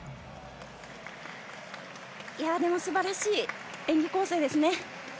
でも、素晴らしい演技構成ですね。